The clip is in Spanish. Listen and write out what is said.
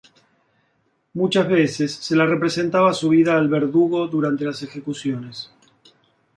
Muchas veces se la representaba subida al verdugo durante las ejecuciones.